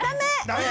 ダメ。